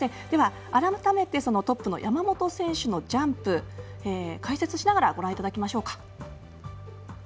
では、改めてトップの山本選手のジャンプ解説しながらご覧いただきましょうか。